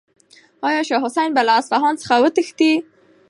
آیا شاه حسین به له اصفهان څخه وتښتي؟